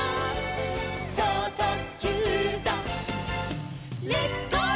「ちょうとっきゅうだレッツ・ゴー！」